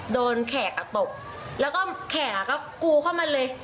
แขกอ่ะตบแล้วก็แขกก็กูเข้ามาเลย